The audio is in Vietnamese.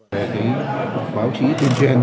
về cái báo chí trên trang